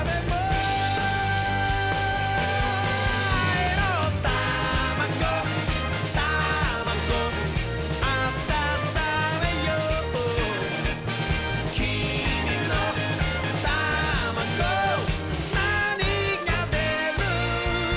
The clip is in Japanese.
「あいのタマゴタマゴ」「あたためよう」「きみのタマゴなにがでる？」